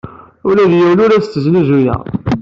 Ula d yiwen ur as-ttbayaɛeɣ.